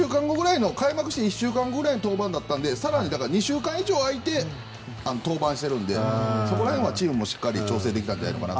開幕して１週間後ぐらいの登板だったので更に２週間以上空いて登板しているのでそこら辺はチームもしっかり挑戦できたのではないかと。